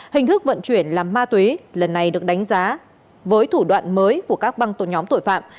hình thức vận chuyển làm ma túy lần này được đánh giá với thủ đoạn mới của các băng tổn nhóm tội phạm